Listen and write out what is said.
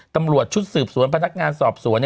ตำรวจชุดสืบสวนพนักงานสอบสวน